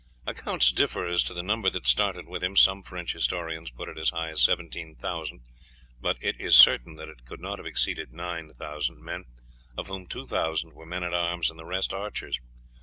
Accounts differ as to the number that started with him, some French historians put it as high as 17,000, but it is certain that it could not have exceeded nine thousand men, of whom two thousand were men at arms and the rest archers.